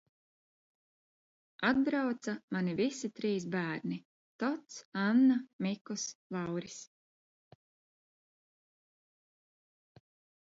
Atbrauca mani visi trīs bērni Tots, Anna, Mikus, Lauris.